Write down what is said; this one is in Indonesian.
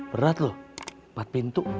berat loh empat pintu